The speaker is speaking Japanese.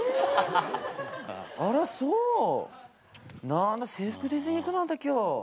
何だ制服ディズニー行くのあんた今日。